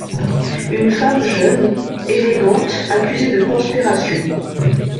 Une femme jeune, élégante, accusée de conspiration…